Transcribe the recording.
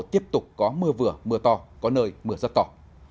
tiếp tục có mưa vừa mưa to có nơi mưa rất to